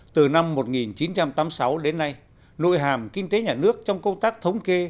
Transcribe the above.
từ năm một nghìn chín trăm tám mươi sáu đến nay nội hàm kinh tế nhà nước trong công tác thống kê